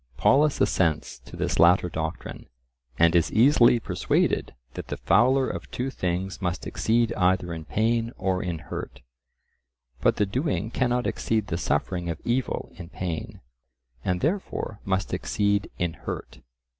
Polus assents to this latter doctrine, and is easily persuaded that the fouler of two things must exceed either in pain or in hurt. But the doing cannot exceed the suffering of evil in pain, and therefore must exceed in hurt.